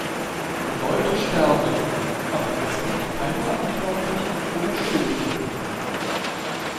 Leute sterben, aber es gibt keine Verantwortlichen oder Schuldigen.